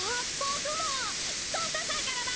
サンタさんからだ！